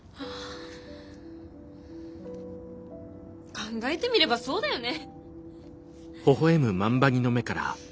考えてみればそうだよね。